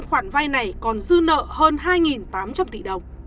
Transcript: một trăm năm mươi năm khoản vai này còn dư nợ hơn hai tám trăm linh tỷ đồng